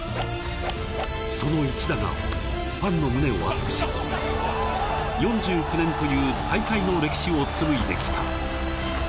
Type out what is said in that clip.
その１打が、ファンの胸を熱くし、４９年という大会の歴史を紡いできた。